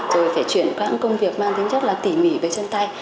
rồi phải chuyển các công việc mang tính chất tỉ mỉ về trên tay